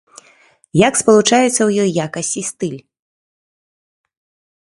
Як спалучаецца ў ёй якасць і стыль?